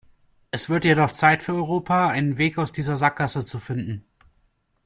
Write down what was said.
Es wird jedoch Zeit für Europa, einen Weg aus dieser Sackgasse zu finden.